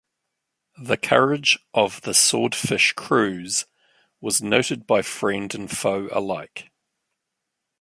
The courage of the Swordfish crews was noted by friend and foe alike.